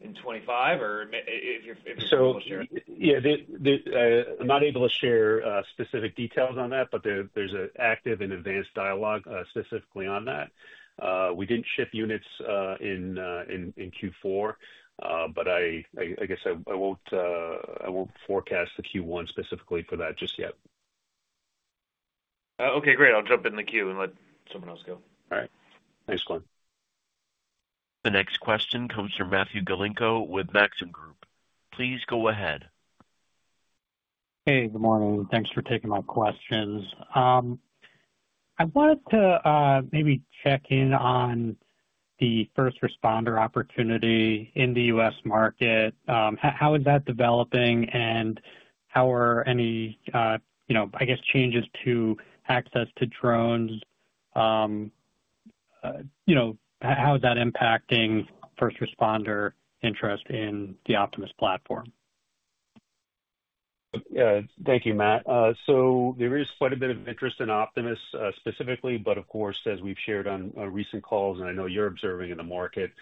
in 2025 or if you're able to share? Yeah, I'm not able to share specific details on that, but there's an active and advanced dialogue specifically on that. We didn't ship units in Q4, but I guess I won't forecast the Q1 specifically for that just yet. Okay, great. I'll jump in the queue and let someone else go. All right. Thanks, Glenn. The next question comes from Matthew Galinko with Maxim Group. Please go ahead. Hey, good morning. Thanks for taking my questions. I wanted to maybe check in on the first responder opportunity in the US market. How is that developing and how are any, I guess, changes to access to drones? How is that impacting first responder interest in the Optimus platform? Thank you, Matt. There is quite a bit of interest in Optimus specifically, but of course, as we've shared on recent calls, and I know you're observing in the market,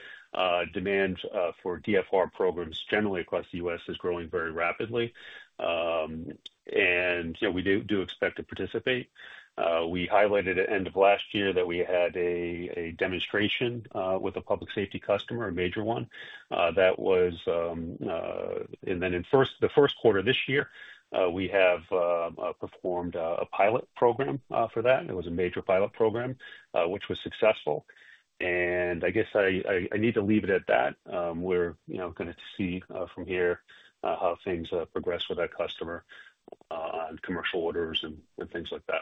demand for DFR programs generally across the U.S. is growing very rapidly. We do expect to participate. We highlighted at the end of last year that we had a demonstration with a public safety customer, a major one. That was, and then in the first quarter of this year, we have performed a pilot program for that. It was a major pilot program, which was successful. I guess I need to leave it at that. We're going to see from here how things progress with that customer on commercial orders and things like that.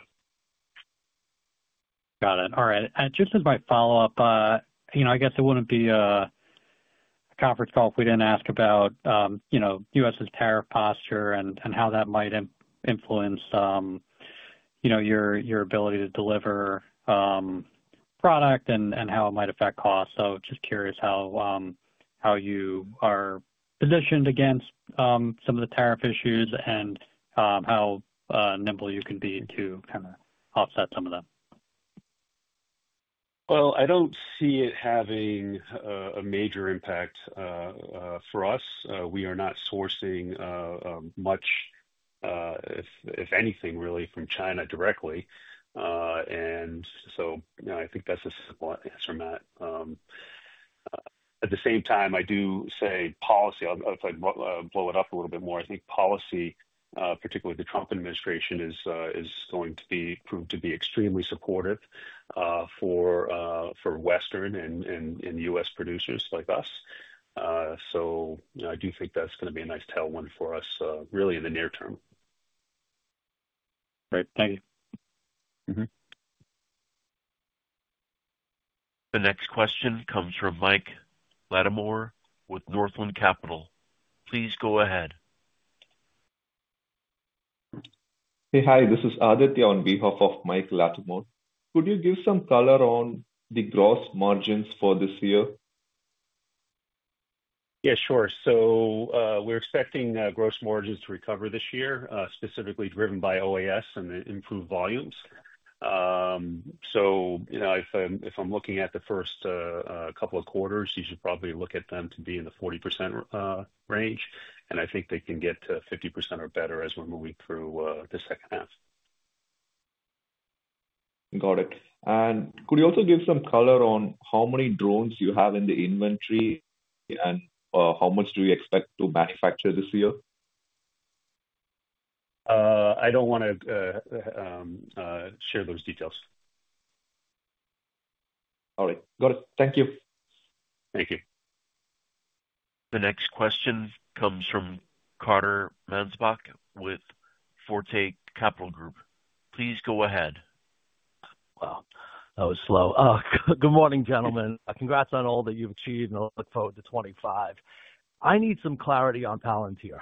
Got it. All right. Just as my follow-up, I guess it would not be a conference call if we did not ask about U.S. tariff posture and how that might influence your ability to deliver product and how it might affect costs. I am just curious how you are positioned against some of the tariff issues and how nimble you can be to kind of offset some of them. I do not see it having a major impact for us. We are not sourcing much, if anything, really, from China directly. I think that is a simple answer, Matt. At the same time, I do say policy, if I blow it up a little bit more, I think policy, particularly the Trump administration, is going to prove to be extremely supportive for Western and U.S. producers like us. I do think that's going to be a nice tailwind for us really in the near term. Great. Thank you. The next question comes from Mike Latimore with Northland Capital. Please go ahead. Hey, hi. This is Aditya on behalf of Mike Latimore. Could you give some color on the gross margins for this year? Yeah, sure. We're expecting gross margins to recover this year, specifically driven by OAS and the improved volumes. If I'm looking at the first couple of quarters, you should probably look at them to be in the 40% range. I think they can get to 50% or better as we're moving through the second half. Got it. Could you also give some color on how many drones you have in the inventory and how much do you expect to manufacture this year? I don't want to share those details. All right. Got it. Thank you. Thank you. The next question comes from Carter Mansbach with Forte Capital Group. Please go ahead. Wow. That was slow. Good morning, gentlemen. Congrats on all that you've achieved, and I look forward to '25. I need some clarity on Palantir.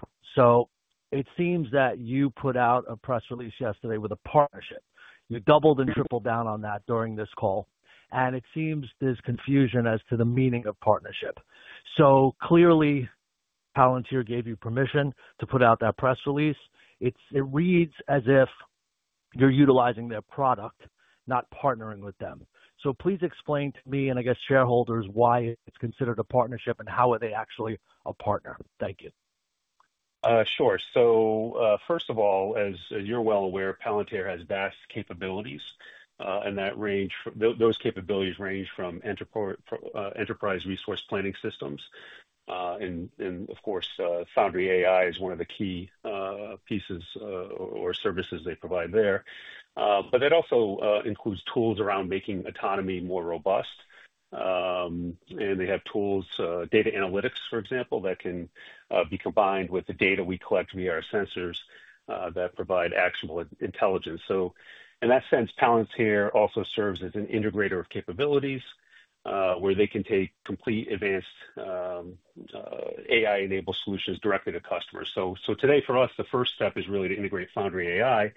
It seems that you put out a press release yesterday with a partnership. You doubled and tripled down on that during this call. It seems there is confusion as to the meaning of partnership. Clearly, Palantir gave you permission to put out that press release. It reads as if you're utilizing their product, not partnering with them. Please explain to me and I guess shareholders why it's considered a partnership and how are they actually a partner. Thank you. Sure. First of all, as you're well aware, Palantir has vast capabilities, and those capabilities range from enterprise resource planning systems. Of course, Foundry AI is one of the key pieces or services they provide there. That also includes tools around making autonomy more robust. They have tools, data analytics, for example, that can be combined with the data we collect via our sensors that provide actionable intelligence. In that sense, Palantir also serves as an integrator of capabilities where they can take complete advanced AI-enabled solutions directly to customers. Today, for us, the first step is really to integrate Foundry AI.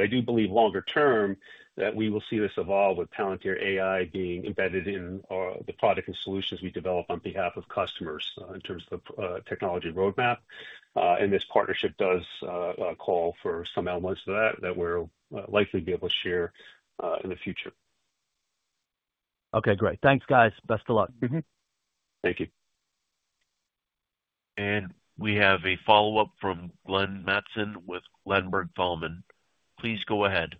I do believe longer term that we will see this evolve with Palantir AI being embedded in the product and solutions we develop on behalf of customers in terms of the technology roadmap. This partnership does call for some elements of that that we'll likely be able to share in the future. Okay, great. Thanks, guys. Best of luck. Thank you. We have a follow-up from Glenn Mattson with Ladenburg Thalmann. Please go ahead.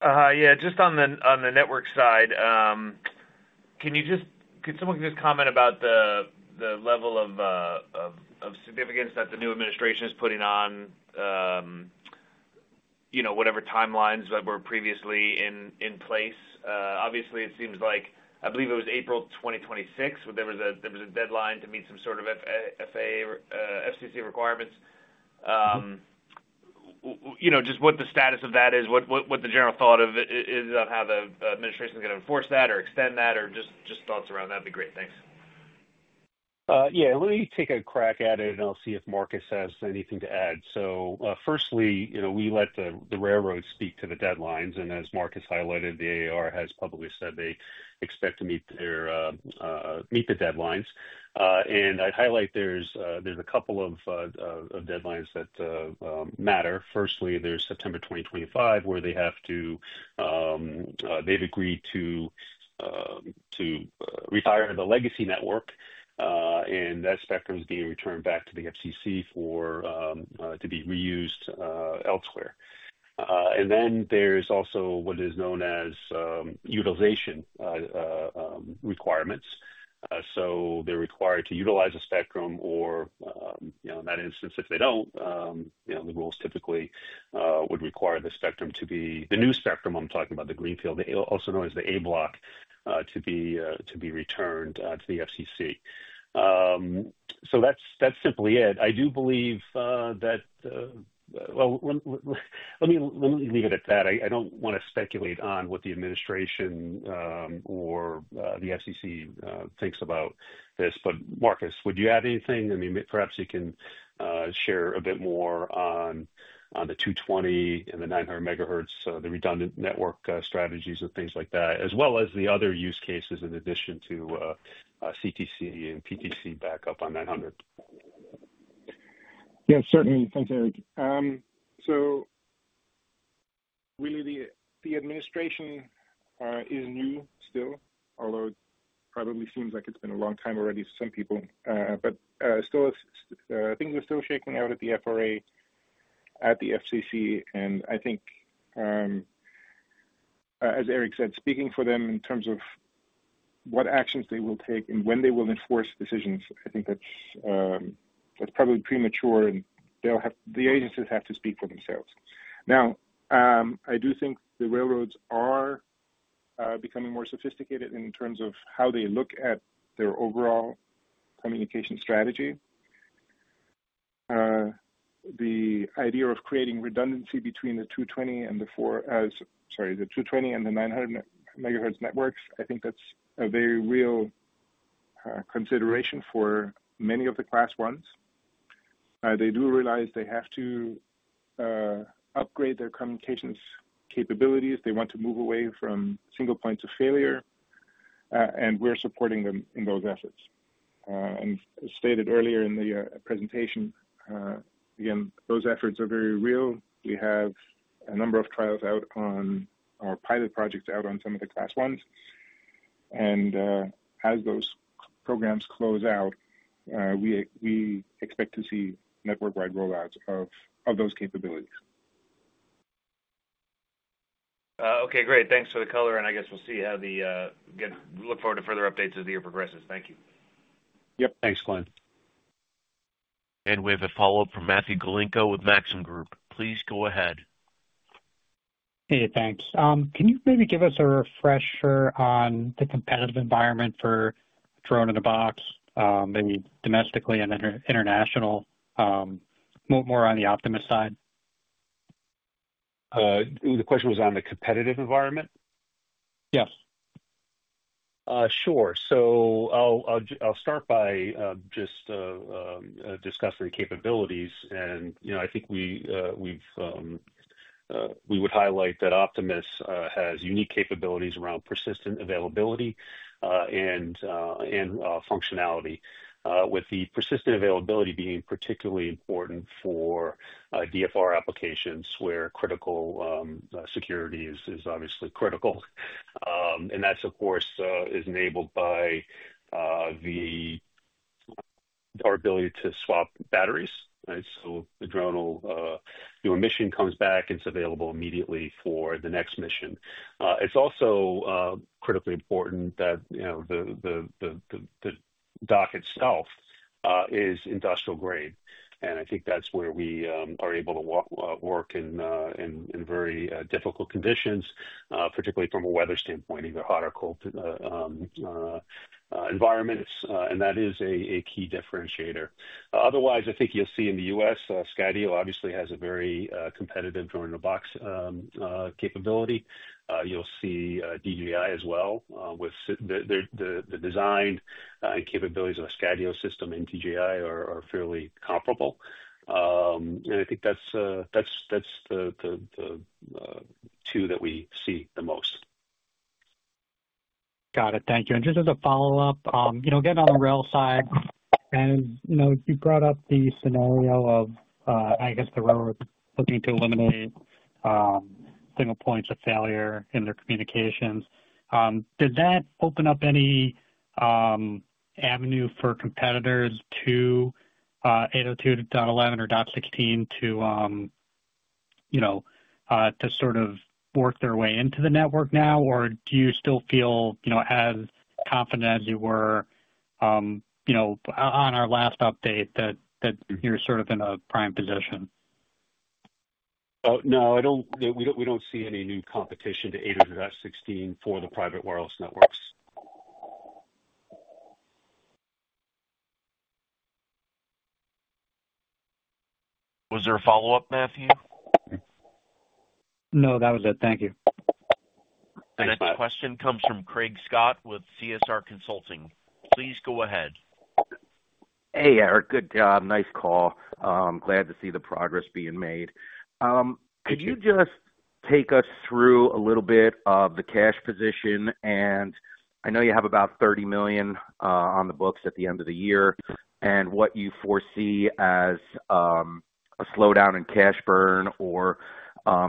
Yeah, just on the network side, can someone just comment about the level of significance that the new administration is putting on whatever timelines that were previously in place? Obviously, it seems like, I believe it was April 2026, there was a deadline to meet some sort of FCC requirements. Just what the status of that is, what the general thought of it is on how the administration is going to enforce that or extend that, or just thoughts around that would be great. Thanks. Yeah, let me take a crack at it, and I'll see if Marcus has anything to add. Firstly, we let the railroad speak to the deadlines. As Marcus highlighted, the AAR has publicly said they expect to meet the deadlines. I'd highlight there's a couple of deadlines that matter. Firstly, there's September 2025 where they have to, they've agreed to retire the legacy network, and that spectrum is being returned back to the FCC to be reused elsewhere. There's also what is known as utilization requirements. They're required to utilize a spectrum or, in that instance, if they don't, the rules typically would require the spectrum to be, the new spectrum I'm talking about, the greenfield, also known as the A Block, to be returned to the FCC. That's simply it. I do believe that, let me leave it at that. I don't want to speculate on what the administration or the FCC thinks about this. Marcus, would you add anything? I mean, perhaps you can share a bit more on the 220 and the 900 MHz, the redundant network strategies and things like that, as well as the other use cases in addition to CTC and PTC backup on 900. Yeah, certainly. Thanks, Eric. Really, the administration is new still, although it probably seems like it's been a long time already for some people. Things are still shaking out at the FRA, at the FCC. I think, as Eric said, speaking for them in terms of what actions they will take and when they will enforce decisions, that's probably premature, and the agencies have to speak for themselves. I do think the railroads are becoming more sophisticated in terms of how they look at their overall communication strategy. The idea of creating redundancy between the 220 and the, sorry, the 220 and the 900 MHz networks, I think that's a very real consideration for many of the Class Is. They do realize they have to upgrade their communications capabilities. They want to move away from single points of failure. We're supporting them in those efforts. As stated earlier in the presentation, those efforts are very real. We have a number of trials out on our pilot projects out on some of the Class Is. As those programs close out, we expect to see network-wide rollouts of those capabilities. Okay, great. Thanks for the color. I guess we'll see how the, look forward to further updates as the year progresses. Thank you. Yep. Thanks, Glenn. We have a follow-up from Matthew Galinko with Maxim Group. Please go ahead. Hey, thanks. Can you maybe give us a refresher on the competitive environment for drone in a box, maybe domestically and international, more on the Optimus side? The question was on the competitive environment? Yes. Sure. I'll start by just discussing capabilities. I think we would highlight that Optimus has unique capabilities around persistent availability and functionality, with the persistent availability being particularly important for DFR applications where critical security is obviously critical. That, of course, is enabled by our ability to swap batteries, right? The drone will, your mission comes back, it's available immediately for the next mission. It's also critically important that the dock itself is industrial grade. I think that's where we are able to work in very difficult conditions, particularly from a weather standpoint, either hot or cold environments. That is a key differentiator. Otherwise, I think you'll see in the U.S., Skydio obviously has a very competitive drone in a box capability. You'll see DJI as well. The design and capabilities of a Skydio system and DJI are fairly comparable. I think that's the two that we see the most. Got it. Thank you. Just as a follow-up, again, on the rail side, you brought up the scenario of, I guess, the railroad looking to eliminate single points of failure in their communications. Did that open up any avenue for competitors to 802.11 or .16 to sort of work their way into the network now? Do you still feel as confident as you were on our last update that you're sort of in a prime position? No, we don't see any new competition to 802.16 for the private wireless networks. Was there a follow-up, Matthew? No, that was it. Thank you. Thanks, Matt. Next question comes from Craig Scott with CSR Consulting. Please go ahead. Hey, Eric. Good job. Nice call. Glad to see the progress being made. Could you just take us through a little bit of the cash position? I know you have about $30 million on the books at the end of the year. What you foresee as a slowdown in cash burn or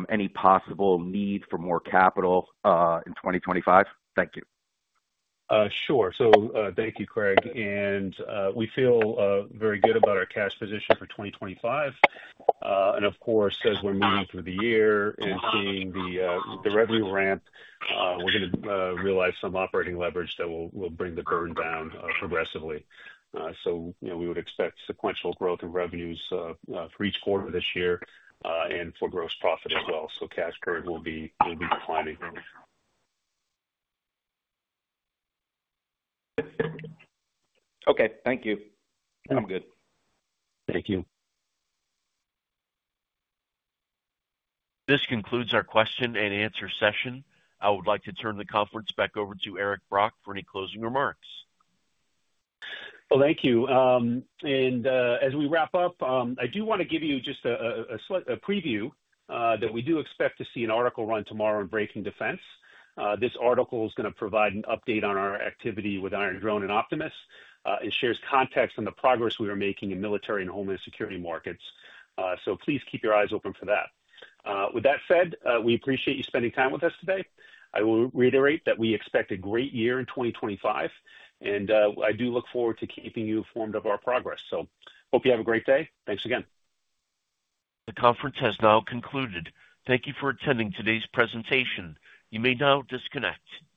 any possible need for more capital in 2025? Thank you. Sure. Thank you, Craig. We feel very good about our cash position for 2025. Of course, as we're moving through the year and seeing the revenue ramp, we're going to realize some operating leverage that will bring the burn down progressively. We would expect sequential growth in revenues for each quarter this year and for gross profit as well. Cash burn will be declining. Okay. Thank you. I'm good. This concludes our question and answer session. I would like to turn the conference back over to Eric Brock for any closing remarks. Thank you. As we wrap up, I do want to give you just a preview that we do expect to see an article run tomorrow in Breaking Defense. This article is going to provide an update on our activity with Iron Drone and Optimus. It shares context on the progress we are making in military and homeland security markets. Please keep your eyes open for that. With that said, we appreciate you spending time with us today. I will reiterate that we expect a great year in 2025. I do look forward to keeping you informed of our progress. Hope you have a great day. Thanks again. The conference has now concluded. Thank you for attending today's presentation. You may now disconnect.